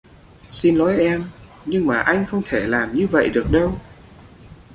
Xin lỗi em nhưng mà anh không thể làm như vậy được đâu